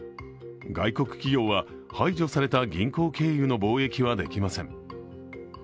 外国企業は排除された銀行経由の貿易はできません。